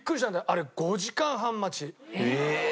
あれ５時間半待ち。